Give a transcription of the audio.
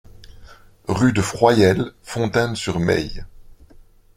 Rue de Froyelles, Fontaine-sur-Maye